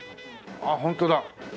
あっホントだ。